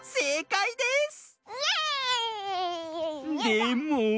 でも。